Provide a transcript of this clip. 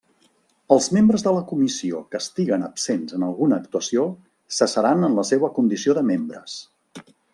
Els membres de la comissió que estiguen absents en alguna actuació cessaran en la seua condició de membres.